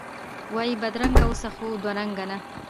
وایی بدرنګه اوسه، خو دوه رنګه نه!